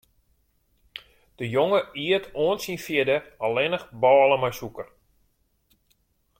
De jonge iet oant syn fjirde allinnich bôle mei sûker.